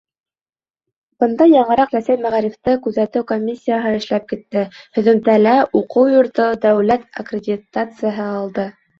Бында яңыраҡ Рәсәй мәғарифты күҙәтеү комиссияһы эшләп китте, һөҙөмтәлә уҡыу йорто дәүләт аккредитацияһы алды.